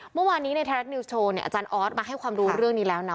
เมื่อวานี้ในเนี้ยอาจารย์ออสมาให้ความรู้เรื่องนี้แล้วนะ